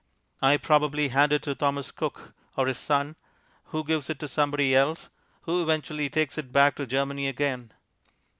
I probably hand it to Thomas Cook or his Son, who gives it to somebody else, who eventually takes it back to Germany again.